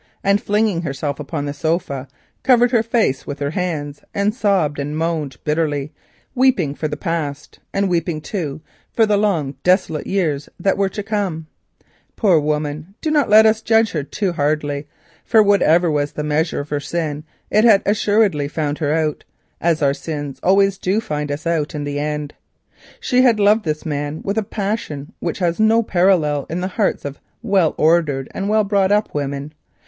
Flinging herself upon the sofa, she covered her face with her hands and moaned bitterly, weeping for the past, and weeping, too, for the long desolate years that were to come. Poor woman! whatever was the measure of her sin it had assuredly found her out, as our sins always do find us out in the end. She had loved this man with a love which has no parallel in the hearts of well ordered and well brought up women.